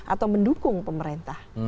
atau mendukung pemerintah